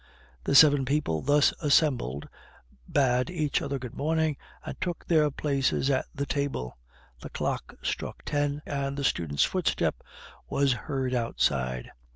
The seven people thus assembled bade each other good morning, and took their places at the table; the clock struck ten, and the student's footstep was heard outside.